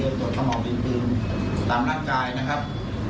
ฆ่ากับตายนะครับมันต้องมีอะไรที่กว่านั้นหรือเปล่านะครับ